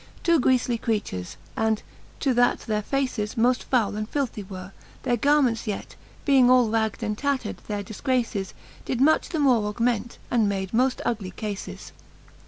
Two griefly creatures ; and, to that their faces Moft foule and filthie were, their garments yet Being all ragd and tatter'd, their difgraces Did much the more augment, and made moft ugly cafes.